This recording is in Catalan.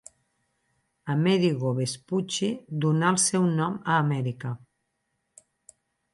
Amerigo Vespucci donà el seu nom a Amèrica.